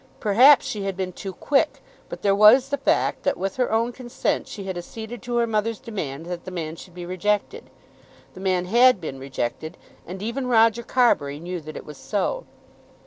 Perhaps she had been too quick; but there was the fact that with her own consent she had acceded to her mother's demand that the man should be rejected. The man had been rejected, and even Roger Carbury knew that it was so.